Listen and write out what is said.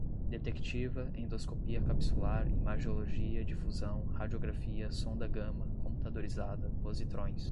detectiva, endoscopia capsular, imagiologia, difusão, radiografia, sonda gama, computadorizada, positrões